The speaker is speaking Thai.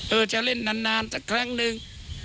จะเล่นนานสักครั้งนึง